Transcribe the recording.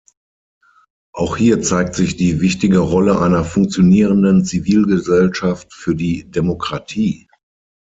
Auch hier zeigt sich die wichtige Rolle einer funktionierenden Zivilgesellschaft für die Demokratie.